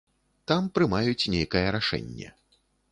Там прымаюць нейкае рашэнне.